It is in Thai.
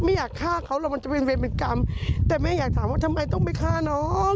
อยากฆ่าเขาหรอกมันจะเป็นเวรเป็นกรรมแต่แม่อยากถามว่าทำไมต้องไปฆ่าน้อง